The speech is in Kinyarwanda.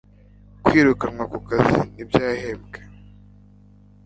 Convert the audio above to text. kwirukanwa ku kazi nibyo yahembwe